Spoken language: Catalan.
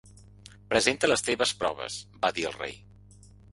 "Presenta les teves proves", va dir el rei.